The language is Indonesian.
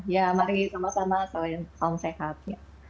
ya mari sama sama salam sehat